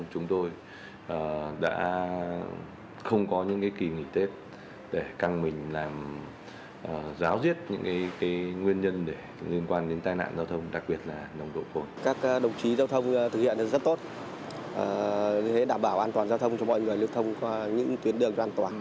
hãy đảm bảo an toàn giao thông cho mọi người lưu thông qua những tuyến đường cho an toàn